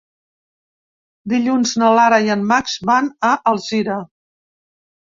Dilluns na Lara i en Max van a Alzira.